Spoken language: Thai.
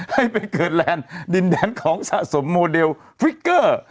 ให้ไปเกิดแลนด์ดินแดนของสะสมโมเดลฟิกเกอร์